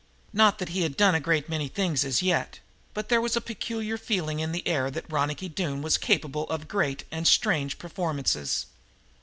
Not that he had done a great many things as yet. But there was a peculiar feeling in the air that Ronicky Doone was capable of great and strange performances.